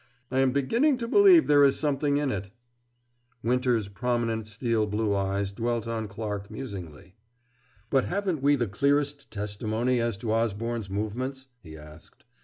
I am beginning to believe there is something in it " Winter's prominent steel blue eyes dwelt on Clarke musingly. "But haven't we the clearest testimony as to Osborne's movements?" he asked.